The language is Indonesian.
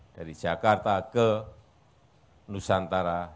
dari jakarta ke nusantara